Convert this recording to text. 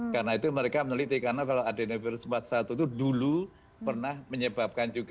karena itu mereka meneliti karena kalau adenovirus empat puluh satu itu dulu pernah menyebabkan juga